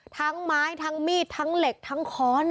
ทั้งไม้ทั้งมีดทั้งเหล็กทั้งค้อน